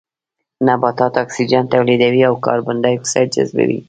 نباتات اکسيجن توليدوي او کاربن ډای اکسايد جذبوي